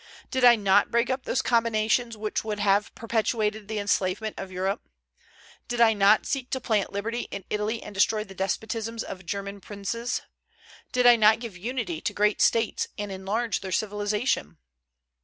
Did I not break up those combinations which would have perpetuated the enslavement of Europe? Did I not seek to plant liberty in Italy and destroy the despotisms of German princes? Did I not give unity to great States and enlarge their civilization?